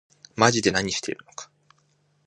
まぢで何してるのか